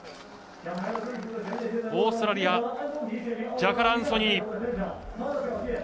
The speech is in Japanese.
オーストラリアジャカラ・アンソニー。